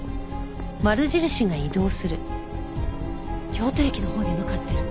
京都駅のほうに向かってる。